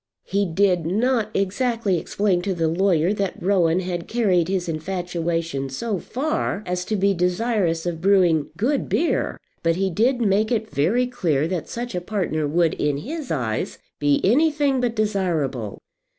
He did not exactly explain to the lawyer that Rowan had carried his infatuation so far as to be desirous of brewing good beer, but he did make it very clear that such a partner would, in his eyes, be anything but desirable.